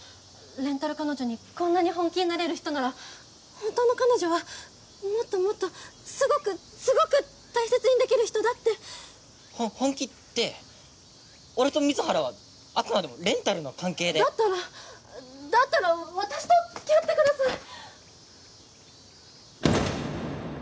レンタル彼女にこんなに本気になれる人ならほんとの彼女はもっともっとすごくすごく大切にできる人だってほ本気って俺と水原はあくまでもレンタルの関係でだったらだったら私とつきあってください！